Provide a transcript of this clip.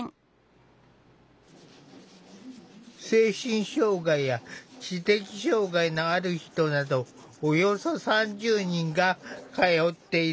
精神障害や知的障害のある人などおよそ３０人が通っている。